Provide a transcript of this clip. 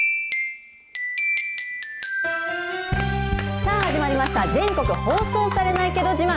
さあ始まりました、全国放送されないけど自慢。